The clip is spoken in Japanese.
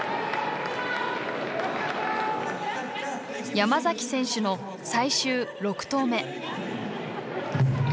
山選手の最終６投目。